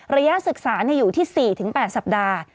ระยะศึกษาอยู่ที่๔๘สัปดาห์